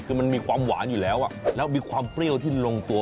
คือมันมีความหวานอยู่แล้วแล้วมีความเปรี้ยวที่ลงตัว